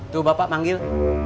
tuh bapak manggil